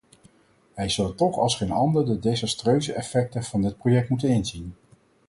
Hij zou toch als geen ander de desastreuze effecten van dit project moeten inzien.